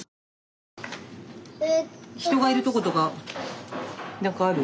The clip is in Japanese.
人がいるとことか何かある？